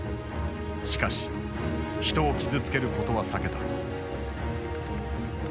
しかし人を傷つけることは避けた。